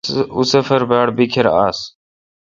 اؙں سفر باڑ بیکھر آس۔